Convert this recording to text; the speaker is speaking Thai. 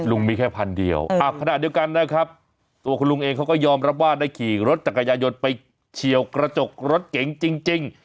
มีแค่พันเดียวขณะเดียวกันนะครับตัวคุณลุงเองเขาก็ยอมรับว่าได้ขี่รถจักรยายนต์ไปเฉียวกระจกรถเก๋งจริง